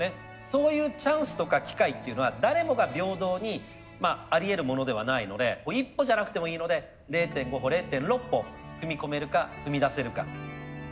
そういうチャンスとか機会っていうのは誰もが平等にまあありえるものではないので一歩じゃなくてもいいので０．５歩０．６歩踏み込めるか踏み出せるか。